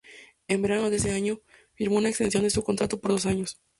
En verano de ese año firmó una extensión de su contrato por dos años.